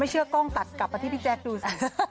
เชื่อกล้องตัดกลับมาที่พี่แจ๊คดูสิ